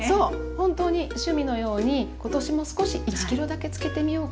本当に趣味のように今年も少し１ｋｇだけ漬けてみようかな。